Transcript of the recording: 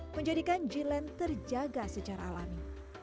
menjadikan g land terjaga secara alami